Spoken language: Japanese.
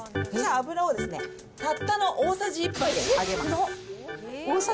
油をたったの大さじ１杯で揚げます。